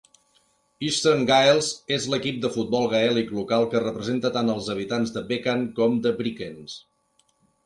Eastern Gaels és l'equip de futbol gaèlic local que representa tant els habitants de Bekan com de Brickens.